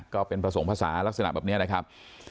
ก็เป็นผสมภาษาลักษณะแบบนี้นะครับ